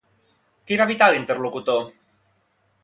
Què va evitar l'interlocutor?